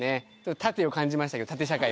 縦を感じましたけど縦社会をね